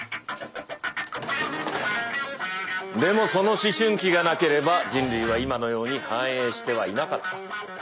でもその思春期がなければ人類は今のように繁栄してはいなかった。